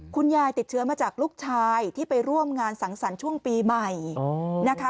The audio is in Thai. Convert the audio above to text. คุณยายติดเชื้อมาจากลูกชายที่ไปร่วมงานสังสรรค์ช่วงปีใหม่นะคะ